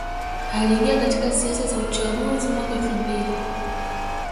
Aliingia katika siasa za uchaguzi mwaka elfu mbili